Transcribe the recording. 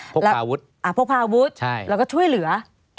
พวกภาวุธพวกภาวุธใช่แล้วก็ช่วยเหลือ